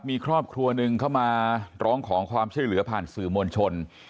มีครอบครัวหนึ่งเข้ามาร้องขอความช่วยเหลือผ่านสื่อมวลชน